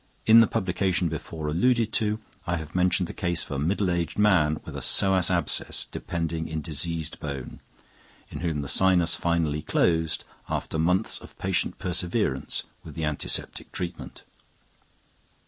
In the publication before alluded to, I have mentioned the case of a middle aged man with a psoas abscess depending in diseased bone, in whom the sinus finally closed after months of patient perseverance with the antiseptic treatment.